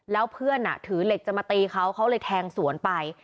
แล้วเพื่อนถือเหล็กจะมาตีเขาเขาเลยแทงสวนไป